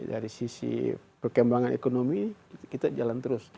dari sisi perkembangan ekonomi kita jalan terus